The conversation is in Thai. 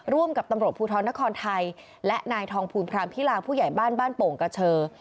ร่วมกับตำรวจภูทรนครไทยและนายทองภูลพรามพิลาผู้ใหญ่บ้านบ้านโป่งกระเชอ